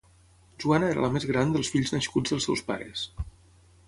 Joana era la més gran dels fills nascuts dels seus pares.